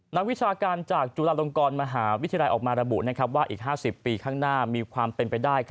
นักวิชาการจากจุฬาลงกรมหาวิทยาลัยออกมาระบุว่าอีก๕๐ปีข้างหน้ามีความเป็นไปได้